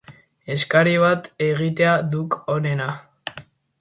Eskari bat egitea duk onena.